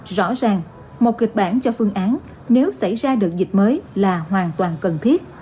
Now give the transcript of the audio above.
rõ ràng một kịch bản cho phương án nếu xảy ra được dịch mới là hoàn toàn cần thiết